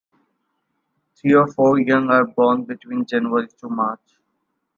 Three to four young are born between January to March.